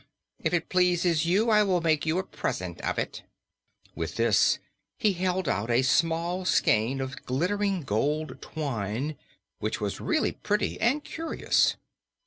If it pleases you, I will make you a present of it." With this he held out a small skein of glittering gold twine, which was really pretty and curious.